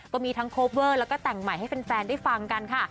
ก็มีทั้งโคเวอร์แล้วก็แต่งใหม่ให้แฟนได้ฟังกันค่ะ